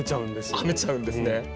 編めちゃうんですね。